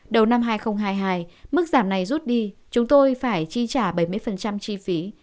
đầu năm hai nghìn hai mươi hai mức giảm này rút đi chúng tôi phải chi trả bảy mươi chi phí